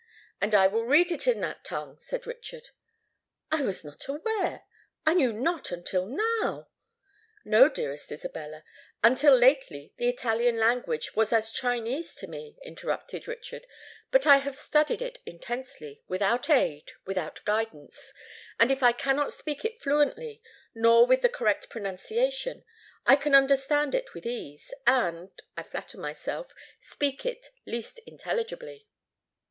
"And I will read it in that tongue," said Richard. "I was not aware—I knew not until now——" "No, dearest Isabella: until lately the Italian language was as Chinese to me," interrupted Richard: "but I have studied it intensely—without aid, without guidance; and if I cannot speak it fluently nor with the correct pronunciation, I can understand it with ease, and—I flatter myself—speak at least intelligibly."